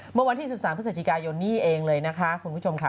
เมื่อวันที่๑๓พฤศจิกายนนี่เองเลยนะคะคุณผู้ชมค่ะ